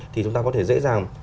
thì chúng ta có thể dễ dàng